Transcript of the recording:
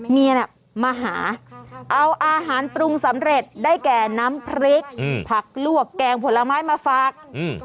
เมียน่ะมาหาเอาอาหารปรุงสำเร็จได้แก่น้ำพริกผักลวกแกงผลไม้มาฝาก